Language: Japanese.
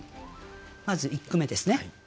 まず１句目ですね。